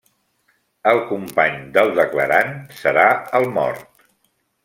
El company del declarant serà el mort.